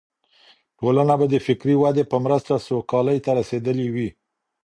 ټولنه به د فکري ودې په مرسته سوکالۍ ته رسېدلې وي.